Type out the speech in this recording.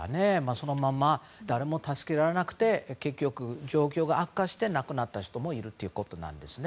そのまま誰も助けられなくて結局、状況が悪化して亡くなった人もいるということなんですね。